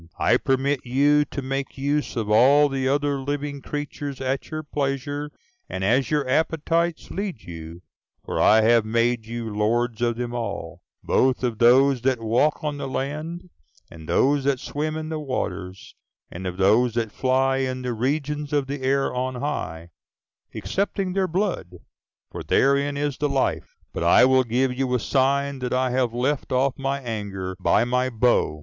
I permit you to make use of all the other living creatures at your pleasure, and as your appetites lead you; for I have made you lords of them all, both of those that walk on the land, and those that swim in the waters, and of those that fly in the regions of the air on high, excepting their blood, for therein is the life. But I will give you a sign that I have left off my anger by my bow."